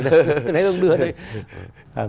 tôi thấy đường đưa ra đây